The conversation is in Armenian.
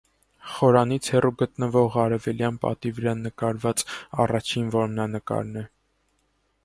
Խորանից հեռու գտնվող արևելյան պատի վրա նկարված առաջին որմնանկարն է։